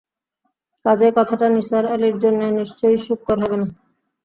কাজেই কথাটা নিসার আলির জন্যে নিশ্চয়ই সুখকর হবে না।